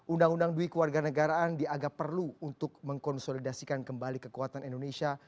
undang undang dui kewarga negaraan diagak perlu untuk mengkonsolidasikan kembali kekuatan indonesia